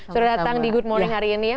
sudah datang di good morning hari ini ya